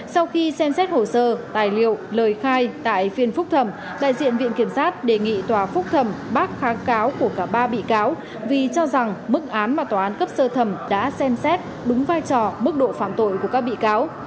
sau khi xem xét hồ sơ tài liệu lời khai tại phiên phúc thẩm đại diện viện kiểm sát đề nghị tòa phúc thẩm bác kháng cáo của cả ba bị cáo vì cho rằng mức án mà tòa án cấp sơ thẩm đã xem xét đúng vai trò mức độ phạm tội của các bị cáo